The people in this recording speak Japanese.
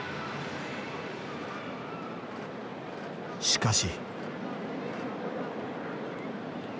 しかし。